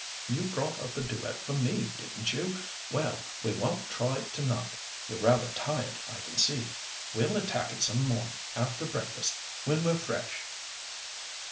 You brought up a duet for me, didn't you? Well, we won't try it to night. You're rather tired, I can see. We'll attack it some morning after breakfast, when we're fresh."